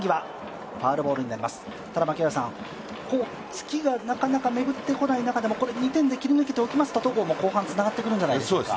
ツキがなかなか巡ってこない中でも、これ、２点で切り抜けておきますと、戸郷も後半、つながってくるんじゃないでしょうか。